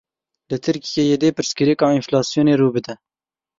Li Tirkiyeyê dê pirsgirêka enflasyonê rû bide.